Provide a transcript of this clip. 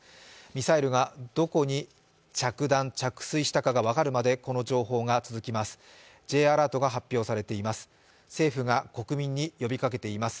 ミサイルがどこに着弾・着水したかが分かるまでこの情報が続きます。